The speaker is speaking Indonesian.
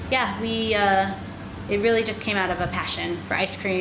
jadi ya itu benar benar terjadi dari pasien untuk es krim